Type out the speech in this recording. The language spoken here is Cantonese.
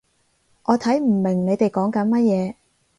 我睇唔明你哋講緊乜嘢